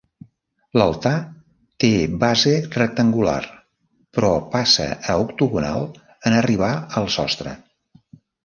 L'altar té base rectangular, però passa a octogonal en arribar al sostre.